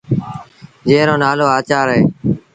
جݩهݩ رو نآلو آچآر اهي۔